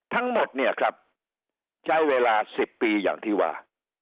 ทั้งหมดเนี่ยครับใช้เวลา๑๐ปีอย่างที่ว่า